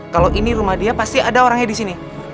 kalau ini rumah dia pasti ada orangnya disini